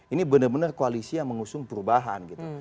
ini benar benar koalisi yang mengusung perubahan gitu